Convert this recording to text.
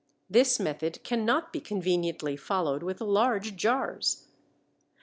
This method can not be conveniently followed with large jars.